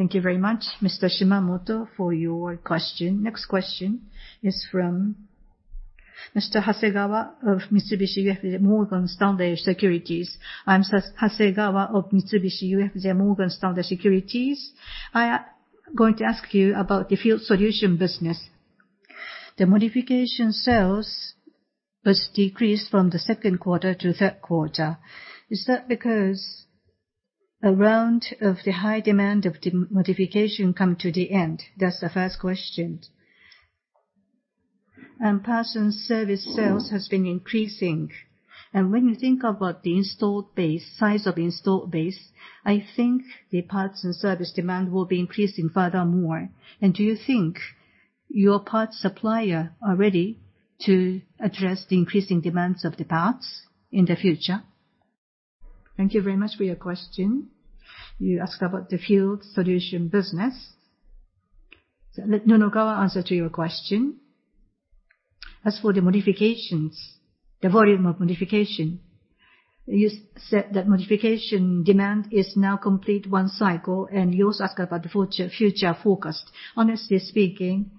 Thank you very much, Mr. Shimamoto, for your question. Next question is from Mr. Hasegawa of Mitsubishi UFJ Morgan Stanley Securities. I'm Hasegawa of Mitsubishi UFJ Morgan Stanley Securities. I am going to ask you about the field solution business. The modification sales was decreased from the second quarter to third quarter. Is that because a round of the high demand of the modification come to the end? That's the first question. Parts and service sales has been increasing. When you think about the installed base, size of installed base, I think the parts and service demand will be increasing furthermore. Do you think your parts supplier are ready to address the increasing demands of the parts in the future? Thank you very much for your question. You asked about the field solution business. Let Nunokawa answer to your question. As for the modifications, the volume of modification, you said that modification demand is now complete one cycle, and you also asked about the future forecast. Honestly speaking,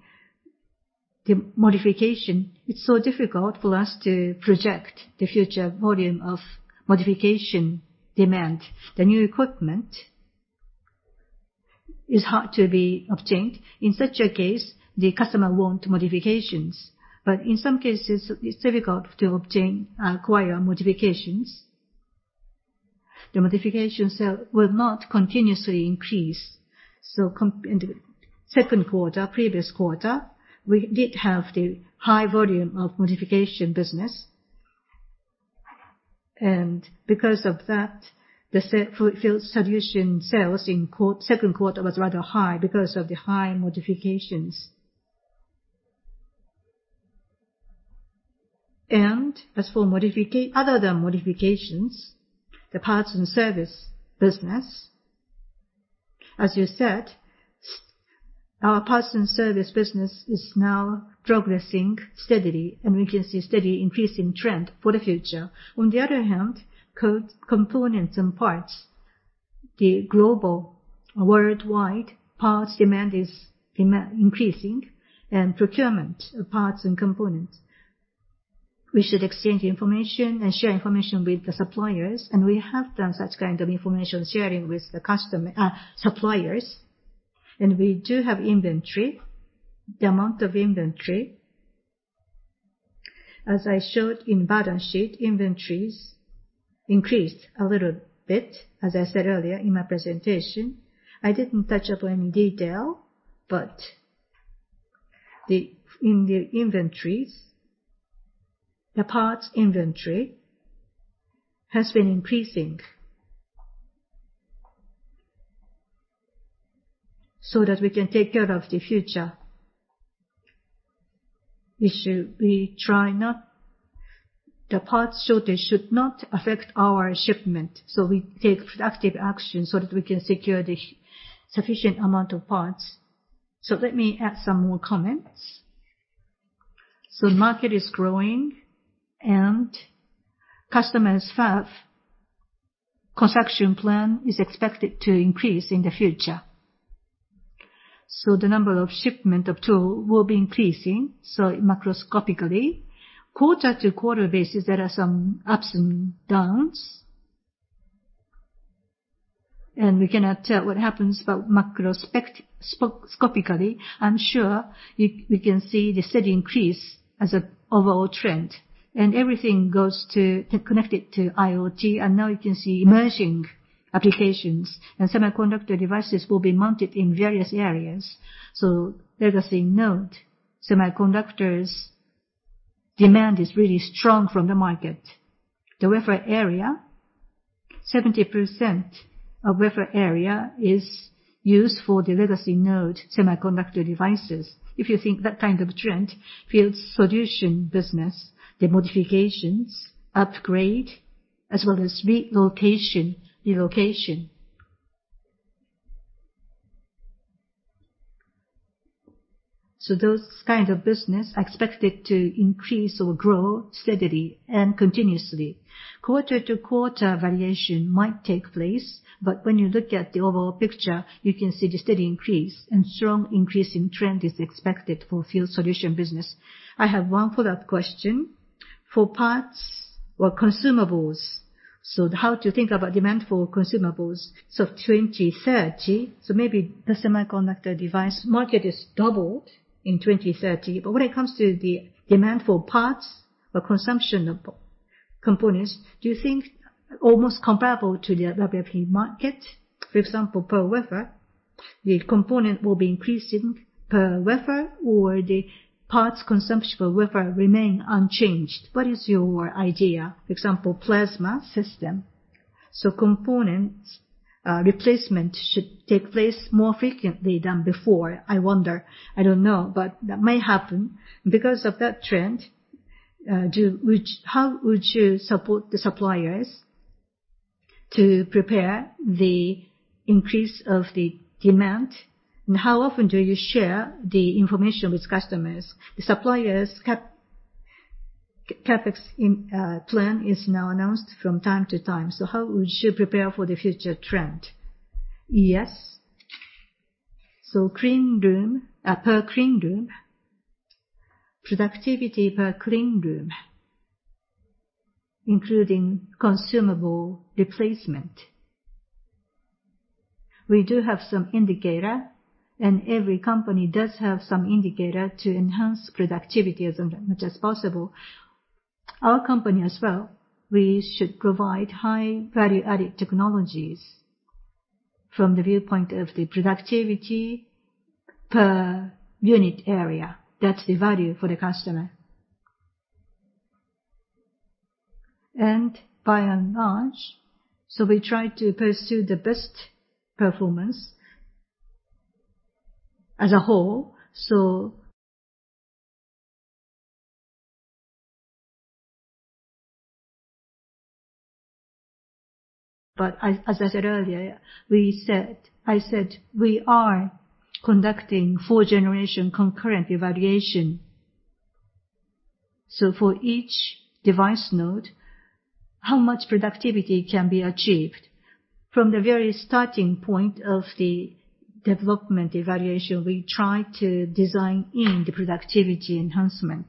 the modification, it's so difficult for us to project the future volume of modification demand. The new equipment is hard to be obtained. In such a case, the customer want modifications. But in some cases it's difficult to obtain, acquire modifications. The modification sale will not continuously increase. In the second quarter, previous quarter, we did have the high volume of modification business. Because of that, the after-sales solution sales in Q2 was rather high because of the high modifications. As for other than modifications, the parts and service business, as you said, our parts and service business is now progressing steadily, and we can see steady increasing trend for the future. On the other hand, components and parts, the global worldwide parts demand is increasing, and procurement of parts and components. We should exchange information and share information with the suppliers, and we have done such kind of information sharing with the suppliers. We do have inventory. The amount of inventory, as I showed in balance sheet, inventories increased a little bit, as I said earlier in my presentation. I didn't touch upon any detail, but in the inventories, the parts inventory has been increasing. That we can take care of the future issue, the parts shortage should not affect our shipment, so we take productive action so that we can secure the sufficient amount of parts. Let me add some more comments. Market is growing and customers' fab construction plan is expected to increase in the future. The number of shipment of tool will be increasing, so macroscopically. Quarter-to-quarter basis, there are some ups and downs. We cannot tell what happens, but macroscopically, I'm sure we can see the steady increase as an overall trend. Everything goes connected to IoT, and now we can see emerging applications, and semiconductor devices will be mounted in various areas. Let us note, semiconductor demand is really strong from the market. The wafer area. 70% of wafer area is used for the legacy node semiconductor devices. If you think that kind of trend, field solution business, the modifications, upgrade, as well as relocation. Those kind of business are expected to increase or grow steadily and continuously. Quarter-to-quarter variation might take place, but when you look at the overall picture, you can see the steady increase, and strong increasing trend is expected for field solution business. I have one follow-up question. For parts or consumables, so how to think about demand for consumables? 2030, so maybe the semiconductor device market is doubled in 2030, but when it comes to the demand for parts or consumption of components, do you think almost comparable to the WFE market? For example, per wafer, the component will be increasing per wafer or the parts consumption per wafer remain unchanged. What is your idea? For example, plasma system. Components replacement should take place more frequently than before. I wonder, I don't know, but that may happen. Because of that trend, how would you support the suppliers to prepare the increase of the demand? And how often do you share the information with customers? The suppliers' CapEx plan is now announced from time to time. How would you prepare for the future trend? Yes. Clean room per clean room, productivity per clean room, including consumable replacement. We do have some indicator, and every company does have some indicator to enhance productivity as much as possible. Our company as well, we should provide high value-added technologies from the viewpoint of the productivity per unit area. That's the value for the customer. By and large, we try to pursue the best performance as a whole. As I said earlier, we are conducting four-generation concurrent evaluation. For each device node, how much productivity can be achieved? From the very starting point of the development evaluation, we try to design in the productivity enhancement.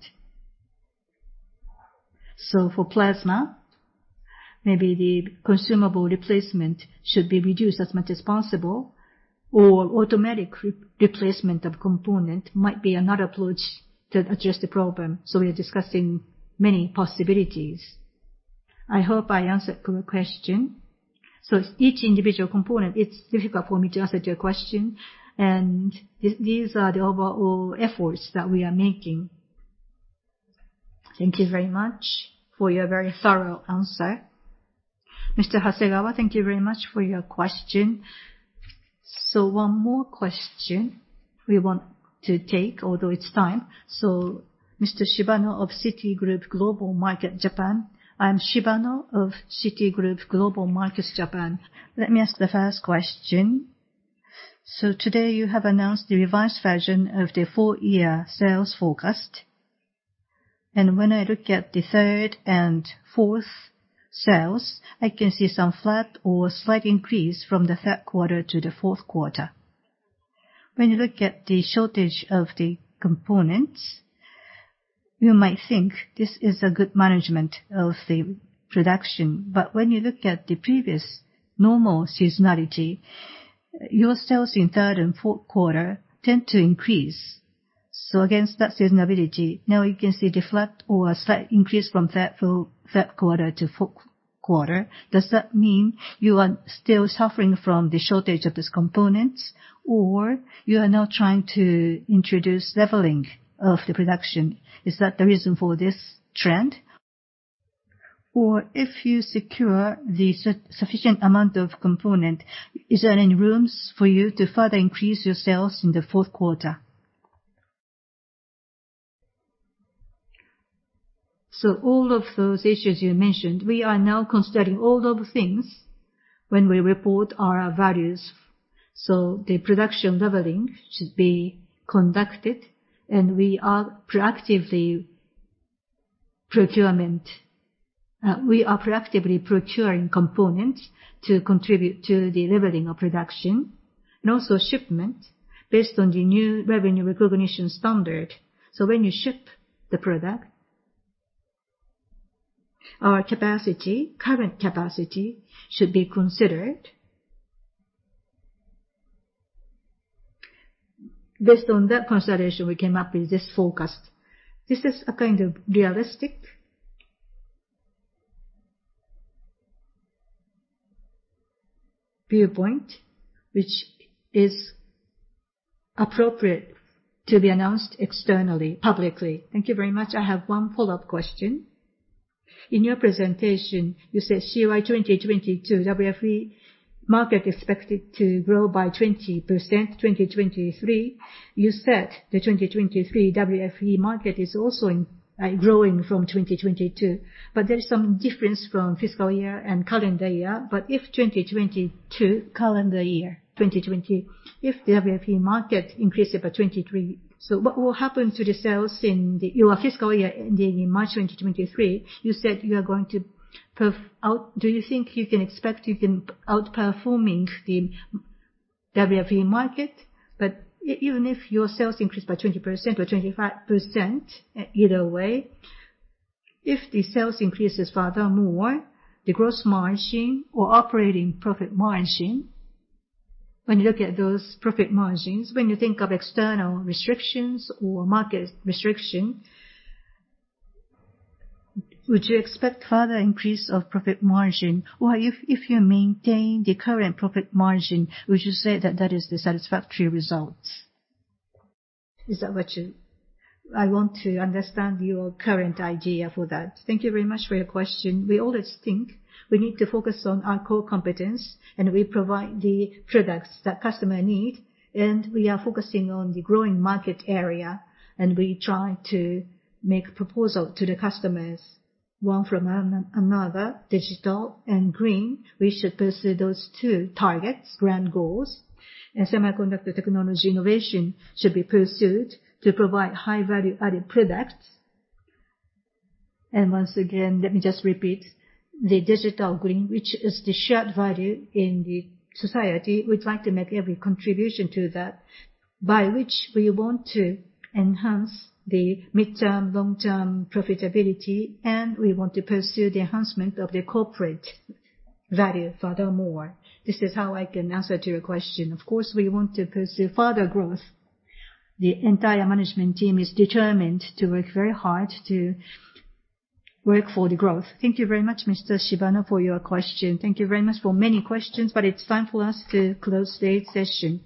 For plasma, maybe the consumable replacement should be reduced as much as possible, or automatic replacement of components might be another approach to address the problem. We are discussing many possibilities. I hope I answered your question. Each individual component, it's difficult for me to answer your question. These are the overall efforts that we are making. Thank you very much for your very thorough answer. Mr. Hasegawa, thank you very much for your question. One more question we want to take, although it's time. Mr. Shibano of Citigroup Global Markets Japan. I'm Shibano of Citigroup Global Markets Japan. Let me ask the first question. Today you have announced the revised version of the full-year sales forecast. When I look at the third and fourth sales, I can see some flat or slight increase from the third quarter to the fourth quarter. When you look at the shortage of the components, you might think this is a good management of the production. When you look at the previous normal seasonality, your sales in third and fourth quarter tend to increase. Against that seasonality, now you can see the flat or slight increase from third quarter to fourth quarter. Does that mean you are still suffering from the shortage of these components? Or you are now trying to introduce leveling of the production? Is that the reason for this trend? Or if you secure the sufficient amount of component, is there any rooms for you to further increase your sales in the fourth quarter? All of those issues you mentioned, we are now considering all of the things when we report our values. The production leveling should be conducted, and we are proactively procuring components to contribute to the leveling of production, and also shipment based on the new revenue recognition standard. When you ship the product, our capacity, current capacity should be considered. Based on that consideration, we came up with this forecast. This is a kind of realistic viewpoint, which is appropriate to be announced externally, publicly. Thank you very much. I have one follow-up question. In your presentation, you said CY 2022 WFE market expected to grow by 20%. 2023, you said the 2023 WFE market is also in growing from 2022. There's some difference from fiscal year and calendar year. If 2022 calendar year, if the WFE market increases by 23%, what will happen to the sales in the? Your fiscal year ending in March 2023, you said you are going to perf-out. Do you think you can expect to outperform the WFE market? Even if your sales increase by 20% or 25%, either way, if the sales increases furthermore, the gross margin or operating profit margin, when you look at those profit margins, when you think of external restrictions or market restriction, would you expect further increase of profit margin? Or if you maintain the current profit margin, would you say that is the satisfactory results? Is that what you? I want to understand your current idea for that. Thank you very much for your question. We always think we need to focus on our core competence, and we provide the products that customer need. We are focusing on the growing market area, and we try to make proposal to the customers, one after another, digital and green. We should pursue those two targets, grand goals. Semiconductor technology innovation should be pursued to provide high value added products. Once again, let me just repeat, the digital green, which is the shared value in the society, we'd like to make every contribution to that, by which we want to enhance the midterm, long-term profitability, and we want to pursue the enhancement of the corporate value furthermore. This is how I can answer to your question. Of course, we want to pursue further growth. The entire management team is determined to work very hard for the growth. Thank you very much, Mr. Shibano, for your question. Thank you very much for many questions, but it's time for us to close today's session.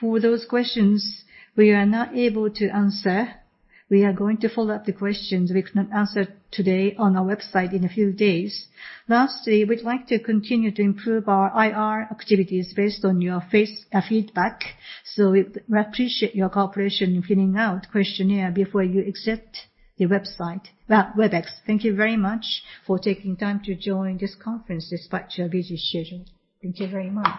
For those questions we are not able to answer, we are going to follow up the questions we could not answer today on our website in a few days. Lastly, we'd like to continue to improve our IR activities based on your feedback. We appreciate your cooperation in filling out questionnaire before you exit the Webex. Thank you very much for taking time to join this conference despite your busy schedule. Thank you very much.